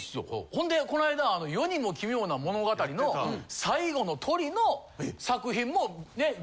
ほんでこないだ『世にも奇妙な物語』の最後のトリの作品もね